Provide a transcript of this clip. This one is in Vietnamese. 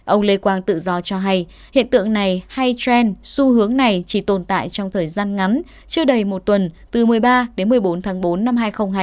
ông lê quang tự do cho hay hiện tượng này hay trend xu hướng này chỉ tồn tại trong thời gian ngắn chưa đầy một tuần từ một mươi ba đến một mươi bốn tháng bốn năm hai nghìn hai mươi